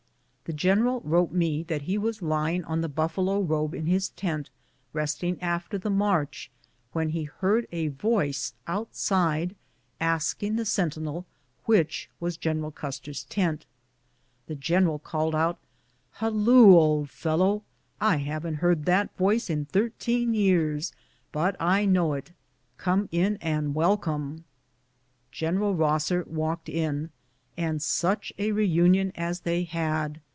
The general wrote me that he was lying on the buffalo robe in his tent, resting after the march, when he heard a voice outside asking the sentinel which was General Custer's tent. The general called out, " Halloo, old fellow ! I haven't heard that voice in thirteen years, but I know it. Come in and welcome!" General Rosser walked in, and such a reunion as they had